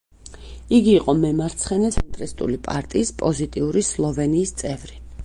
იგი იყო მემარცხენე-ცენტრისტული პარტიის პოზიტიური სლოვენიის წევრი.